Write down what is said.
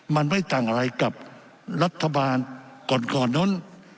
มันไม่ต่างอะไรกับรัฐบาลก่อนก่อนโน้น